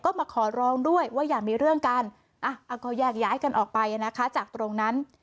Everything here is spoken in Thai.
ก็มาขอร้องด้วยว่าอย่ามีเรื่องกันก็แยกย้ายกันออกไปนะคะจากตรงนั้น